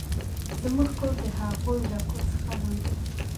زموږ کور د هغوې له کور څخه لوي ده.